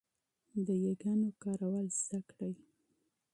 د 'ي' ګانو استعمال زده کړئ.